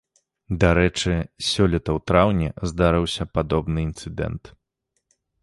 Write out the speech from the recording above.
Дарэчы, сёлета ў траўні здарыўся падобны інцыдэнт.